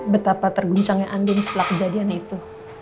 betapa terguncangnya anding setelah kejadian itu